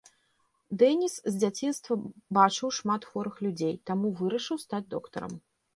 Дэніс з дзяцінства бачыў шмат хворых людзей, таму вырашыў стаць доктарам.